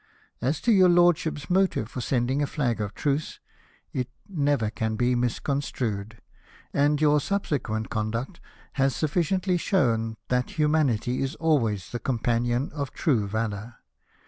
As to your lordship's motive for sending a flag of truce, it never can be misconstrued ; and your subse quent conduct has sufficiently shown that humanity is always the companion of true valour.